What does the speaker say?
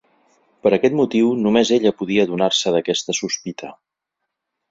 Per aquest motiu, només ella podia adonar-se d'aquesta sospita.